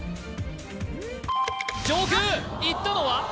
上空いったのは？